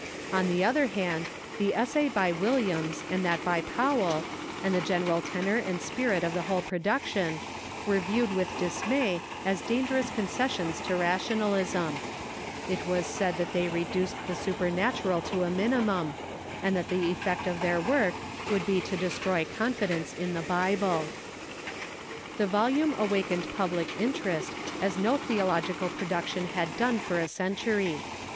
On the other hand, the essay by Williams and that by Powell, and the general tenor and spirit of the whole jiroduction, were viewed with dismay as dangerous concessions to Rationalism. It Avas THE SCHOOLS IX THE CHURCH OF EXGLAXD 35V said that they reduced tlie supernatural to a minimum, and that the effect of their Avork wouhl be to destroy confidence in the Bible. The vohime awakened public interest as no theological pro duction had done for a century.